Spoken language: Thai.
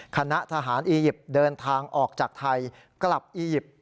คณะทหารอียิปต์เดินทางออกจากไทยกลับอียิปต์